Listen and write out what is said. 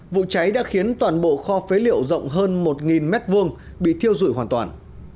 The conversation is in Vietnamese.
vụ cháy đã khiến toàn bộ kho phế liệu rộng hơn một m hai bị thiêu dụi hoàn toàn